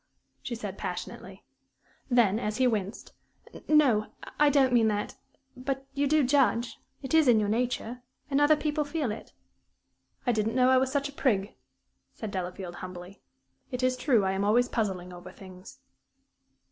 she said, passionately. Then, as he winced, "No, I don't mean that. But you do judge it is in your nature and other people feel it." "I didn't know I was such a prig," said Delafield, humbly. "It is true I am always puzzling over things."